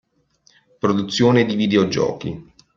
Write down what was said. Produzione di videogiochi.